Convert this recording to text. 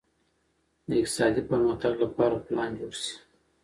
د اقتصادي پرمختګ لپاره پلان جوړ شي.